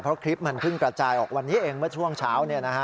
เพราะคลิปมันเพิ่งกระจายออกวันนี้เองเมื่อช่วงเช้า